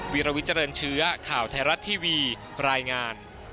วิรวิเจริญเชื้อข่าวไทยรัฐทีวีรายงาน